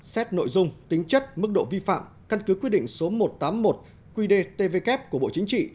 xét nội dung tính chất mức độ vi phạm căn cứ quyết định số một trăm tám mươi một qdtvk của bộ chính trị